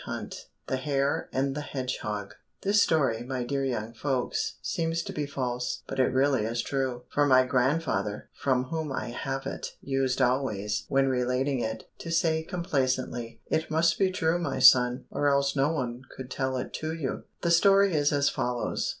187 The Hare and the Hedgehog This story, my dear young folks, seems to be false, but it really is true, for my grandfather, from whom I have it, used always, when relating it, to say complacently, "It must be true, my son, or else no one could tell it to you." The story is as follows.